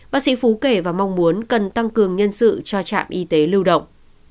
bác sĩ phú kể và mong muốn cần tăng cường nhân sự cho trạm y tế lưu động